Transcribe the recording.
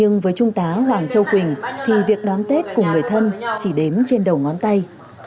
trong lĩnh vực truy nã của trung tá hoàng châu quỳnh thì việc đón tết cùng người thân chỉ đếm trên đầu ngón tay